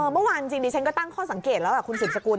เมื่อวานจริงดิฉันก็ตั้งข้อสังเกตแล้วคุณสืบสกุล